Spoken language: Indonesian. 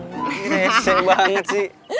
nesek banget sih